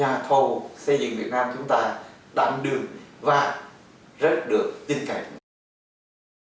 các nhà thầu xây dựng việt nam chúng ta đảm đường và rất được tin cảnh